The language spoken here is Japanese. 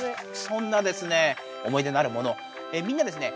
そんなですね思い出のあるものみんなですね